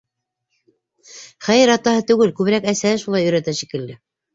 Хәйер, атаһы түгел, күберәк әсәһе шулай өйрәтә шикелле.